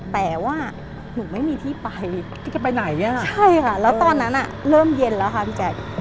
แต่ว่าหนูไม่มีที่ไปพี่จะไปไหนใช่ค่ะแล้วตอนนั้นเริ่มเย็นแล้วค่ะพี่แจ๊ค